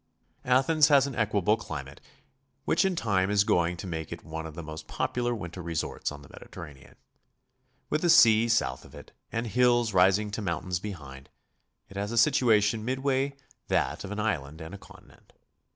Athens has an equable climate which in time is going to make it one of the most popular winter resorts on the Mediterranean. With the sea south of it, and hills rising to mountains behind, it has a situation midway that of an island and a continent.